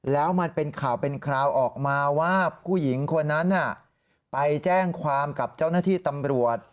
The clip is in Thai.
แล้วมันเป็นข่าวเป็นคราวออกมาว่าผู้หญิงคนนั้นไปแจ้งความกับเจ้าหน้าที่ตำรวจ